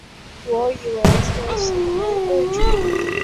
我还以为自由席会没位子